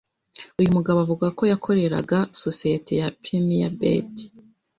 Uyu mugabo avuga ko yakoreraga Sosiyete ya Premier Bet